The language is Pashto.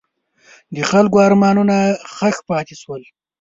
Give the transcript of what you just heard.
د خلکو ارمانونه ښخ پاتې شول.